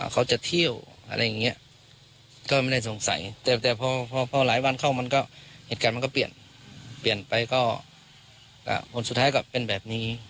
เขาจะเที่ยวอะไรอย่างนี้ก็ไม่ได้สงสัยแต่พอหลายวันเข้ามันก็เหตุการณ์มันก็เปลี่ยนเปลี่ยนไปก็ผลสุดท้ายก็เป็นแบบนี้